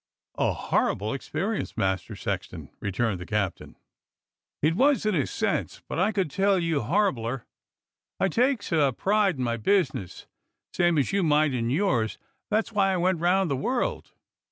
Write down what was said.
"A horrible experience. Master Sexton," returned the captain. "It was in a sense. But I could tell you horribler. COFFIN MAKER HAS A VISITOR 175 I takes a pride in my business, same as you might in yours. That's why I went round the world."